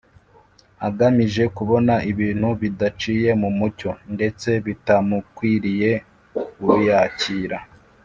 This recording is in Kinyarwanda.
agamije kubona ibintu bidaciye mu mucyo, ndetse bitamukwiriye. Uyakira